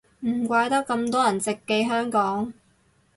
唔怪得咁多人直寄香港